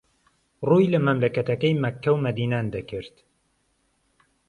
ڕووی له مەملهکهتهکهی مهککه و مەدینان دهکرد